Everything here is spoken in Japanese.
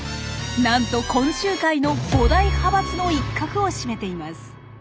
なんと昆虫界の五大派閥の一角を占めています。